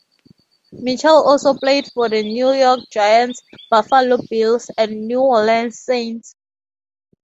Mitchell also played for the New York Giants, Buffalo Bills and New Orleans Saints.